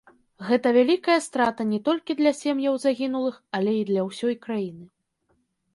Гэта вялікая страта не толькі для сем'яў загінулых, але і для ўсёй краіны.